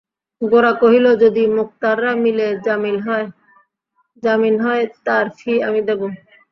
গোরা কহিল, যদি মোক্তাররা মিলে জামিন হয় তার ফী আমি দেব।